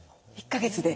１か月で？